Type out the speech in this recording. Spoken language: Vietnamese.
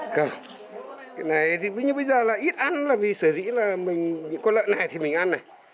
cái này thì bây giờ là ít ăn là vì sở dĩ là mình có lợi này thì mình ăn này